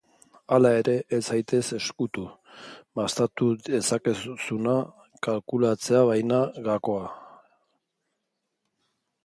Hala ere, ez zaitez estutu, gastatu dezakezuna kalkulatzea baita gakoa.